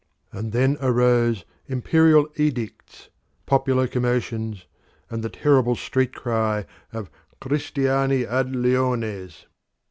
And then arose imperial edicts, popular commotions, and the terrible street cry of Christiani ad leones!